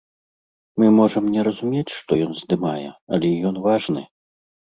Мы можам не разумець, што ён здымае, але ён важны.